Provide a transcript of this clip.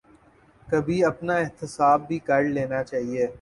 کبھی اپنا احتساب بھی کر لینا چاہیے۔